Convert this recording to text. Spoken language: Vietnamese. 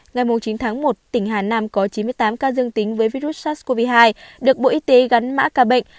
ngày chín tháng một tỉnh hà nam có chín mươi tám ca dương tính với virus sars cov hai được bộ y tế gắn mã ca bệnh